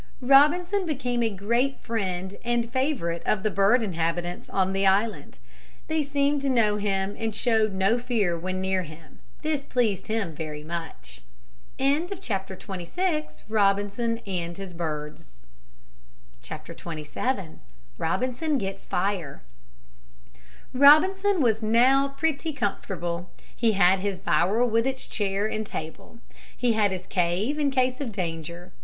Robinson became a great friend and favorite of the bird inhabitants of the island. They seemed to know him and showed no fear when near him. This pleased him very much. XXVII ROBINSON GETS FIRE Robinson was now pretty comfortable. He had his bower with its chair and table. He had his cave in case of danger.